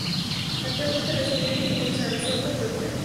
Actualmente reside en Sarasota, Florida.